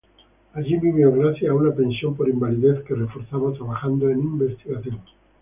Allí vivió gracias a una pensión por invalidez que reforzaba trabajando en investigación.